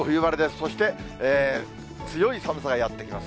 そして、強い寒さがやって来ます。